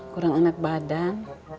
kurang enak badan